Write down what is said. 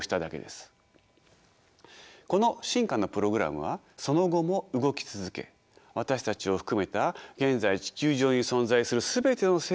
この進化のプログラムはその後も動き続け私たちを含めた現在地球上に存在する全ての生物を生み出しました。